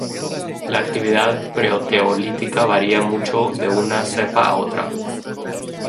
La actividad proteolítica varía mucho de una cepa a otra.